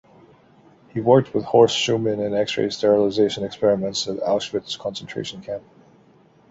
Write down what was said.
He worked with Horst Schumann in X-ray sterilization experiments at Auschwitz concentration camp.